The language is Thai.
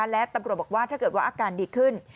และตำรวจบอกว่าถ้าเกิดว่าอาการดีขึ้น